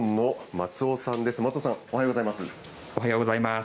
松尾さん、おはようございます。